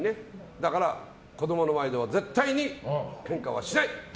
だから子供の前では絶対にケンカはしない！